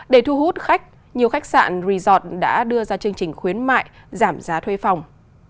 để thu hút khách nhiều khách sạn resort đã đưa ra chương trình khuyến mại giảm giá thuê phòng